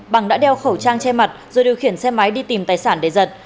bằng đã đeo khẩu trang che mặt rồi điều khiển xe máy đi tìm tài sản để giật